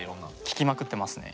聴きまくってますね。